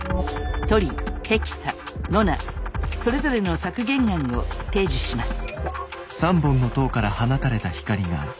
トリヘキサノナそれぞれの削減案を提示します。